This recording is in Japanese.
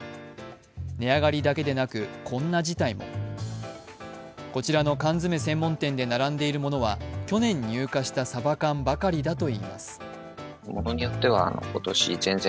値上がりだけでなく、こんな事態もこちらの缶詰専門店で並んでいるものは、去年入荷したサバ缶ばかりだといいます。